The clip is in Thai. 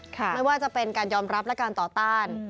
ไม่ว่าจะเป็นการยอมรับและการต่อต้าน